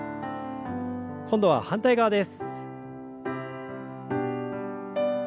今度は反対側です。